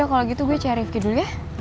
yaudah kalo gitu gue cari rifki dulu ya